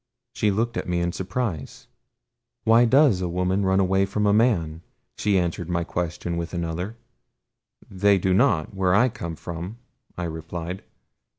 She looked at me in surprise. "Why DOES a woman run away from a man?" she answered my question with another. "They do not, where I come from," I replied.